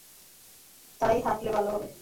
তাই হাটলে ভালো হবে।